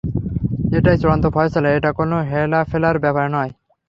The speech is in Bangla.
এটাই চূড়ান্ত ফয়সালা এটা কোন হেলাফেলার ব্যাপার নয়।